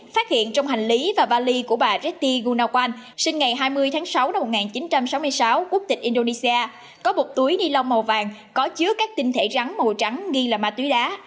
phát hiện trong hành lý và vali của bà reti gunawan sinh ngày hai mươi tháng sáu năm một nghìn chín trăm sáu mươi sáu quốc tịch indonesia có một túi ni lông màu vàng có chứa các tinh thể rắn màu trắng nghi là ma túy đá